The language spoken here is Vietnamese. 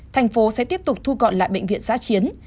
thành phố sẽ tiếp tục thu gọn lại bệnh viện giã chiến